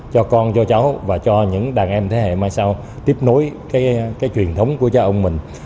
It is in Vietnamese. cho con cho cháu và cho những đàn em thế hệ mai sau tiếp nối cái truyền thống của cha ông mình